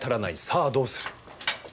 さあどうする？